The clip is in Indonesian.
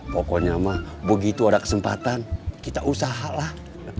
pokoknya mang begitu ada kesempatan kita usahalah